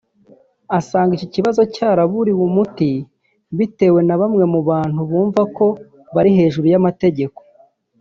asanga iki kibazo cyaraburiwe umuti bitewe na bamwe mu bantu bumva ko bari hejuru y’amategeko